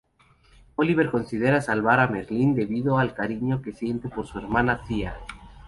Oliver considera salvar a Merlyn debido al cariño que siente por su hermana Thea.